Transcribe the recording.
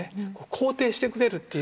肯定してくれるっていうか。